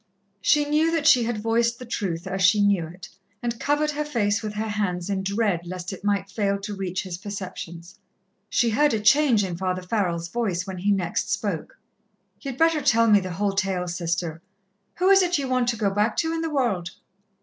She knew that she had voiced the truth as she knew it, and covered her face with her hands in dread lest it might fail to reach his perceptions. She heard a change in Father Farrell's voice when next he spoke. "Ye'd better tell me the whole tale, Sister. Who is it ye want to go back to in the world?"